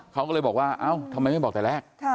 เขาก็เลยบอกว่าเอ้าทำไมไม่บอกแต่แรก